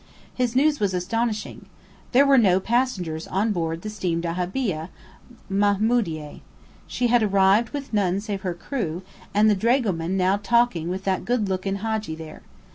His news was astonishing. There were no passengers on board the steam dahabeah Mamoudieh. She had arrived with none save her crew, and the dragoman now talking with that good looking Hadji there.